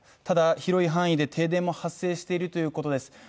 ただ、広い範囲で停電も発生しているということです